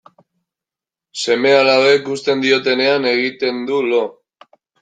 Seme-alabek uzten diotenean egiten du lo.